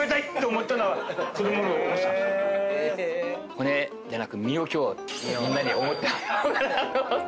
骨じゃなく身を今日はみんなに。